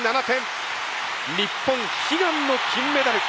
日本悲願の金メダル！